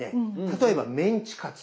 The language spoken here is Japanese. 例えばメンチカツ。